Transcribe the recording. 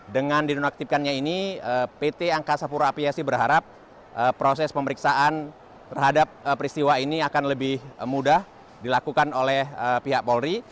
dengan dinonaktifkannya ini pt angkasa pura apiasi berharap proses pemeriksaan terhadap peristiwa ini akan lebih mudah dilakukan oleh pihak polri